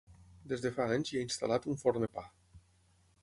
Des de fa anys hi ha instal·lat un forn de pa.